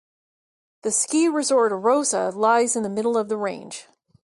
The ski resort Arosa lies in the middle of the range.